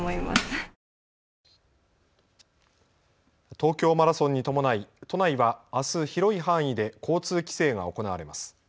東京マラソンに伴い、都内はあす広い範囲で交通規制が行われます。